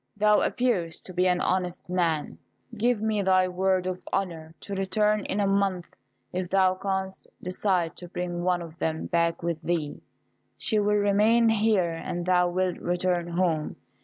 Thou appearest to be an honest man. Give me thy word of honour to return in a month. If thou canst decide to bring one of them back with thee, she will remain here and thou wilt return home.